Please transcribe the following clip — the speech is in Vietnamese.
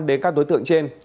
đến các đối tượng trên